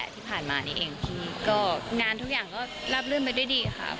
ที่ผ่านมานี่เองพี่ก็งานทุกอย่างก็ราบลื่นไปด้วยดีค่ะ